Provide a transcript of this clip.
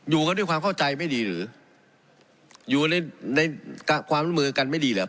อยู่กันด้วยความเข้าใจไม่ดีหรืออยู่ในความร่วมมือกันไม่ดีเหรอ